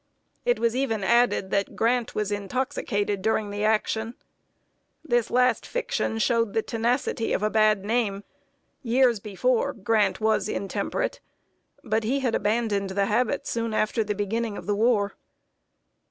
It was even added that Grant was intoxicated during the action. This last fiction showed the tenacity of a bad name. Years before, Grant was intemperate; but he had abandoned the habit soon after the beginning of the war.